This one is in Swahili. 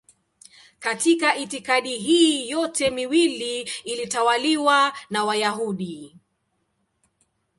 Katika itikadi hii yote miwili ilitawaliwa na Wayahudi.